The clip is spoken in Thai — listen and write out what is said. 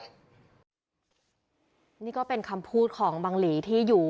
อเรนนี่นี่ก็คำพูดของบังหลีที่อยู่